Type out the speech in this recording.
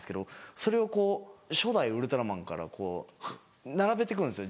それをこう初代ウルトラマンから並べてくんですよ